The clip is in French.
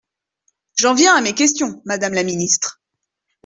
J’en viens à mes questions, madame la ministre.